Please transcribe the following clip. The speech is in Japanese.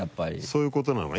そういうことなのか。